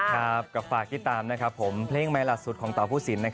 กลับฝากติดตามเพลงใหม่หลักสุดของเต่าผู้สิน